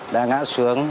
đã ngã xuống